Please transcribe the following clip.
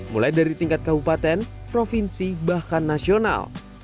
mulai dari tingkat kabupaten provinsi bahkan nasional